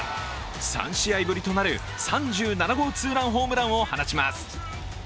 ３試合ぶりとなる３７号ツーランホームランを放ちます。